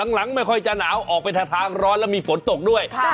หลังไม่ค่อยจะหนาวออกไปทางร้อนแล้วมีฝนตกด้วย